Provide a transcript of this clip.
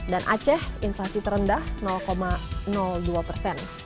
aceh inflasi terendah dua persen